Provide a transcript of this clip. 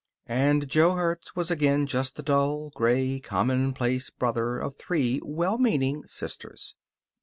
And Jo Hertz was again just the dull, gray, commonplace brother of three well meaning sisters.